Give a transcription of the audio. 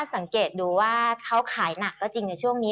สังเกตดูว่าเขาขายหนักก็จริงในช่วงนี้